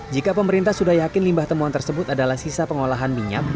jika pemerintah sudah yakin limbah temuan tersebut adalah sisa pengolahan minyak